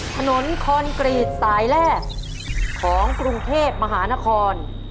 คอนกรีตสายแรกของกรุงเทพมหานคร